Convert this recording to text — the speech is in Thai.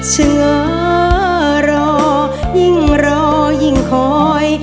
เฉินงะรอยิ่งรอยิ่งคอย